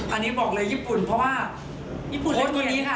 อันนี้บอกเลยญี่ปุ่น